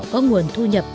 có nguồn thu nhập